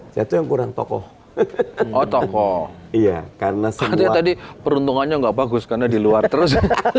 jatuh yang kurang tokoh tokoh iya karena sehatnya tadi peruntungannya nggak bagus karena diluar terus